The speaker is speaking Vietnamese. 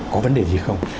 có vấn đề gì không